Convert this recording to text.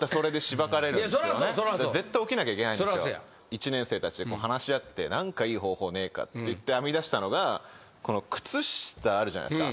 １年生たちで話し合って何かいい方法ねえかっていって編み出したのが靴下あるじゃないですか。